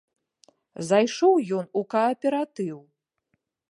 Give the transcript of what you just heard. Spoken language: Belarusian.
Зайшоў ён у кааператыў.